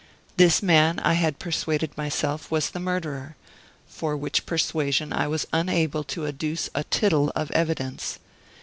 This man, I had persuaded myself, was the murderer; for which persuasion I was unable to adduce a tittle of evidence.